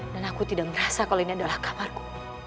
dan aku tidak merasa kalau ini adalah kamarmu